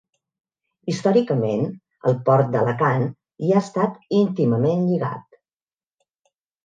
Històricament, el Port d'Alacant hi ha estat íntimament lligat.